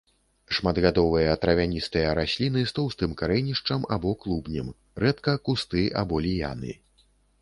Шматгадовыя травяністыя расліны з тоўстым карэнішчам або клубнем, рэдка кусты або ліяны.